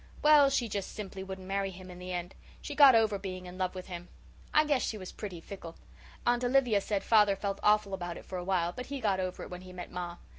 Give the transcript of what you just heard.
"Well, she just simply wouldn't marry him in the end. She got over being in love with him. I guess she was pretty fickle. Aunt Olivia said father felt awful about it for awhile, but he got over it when he met ma.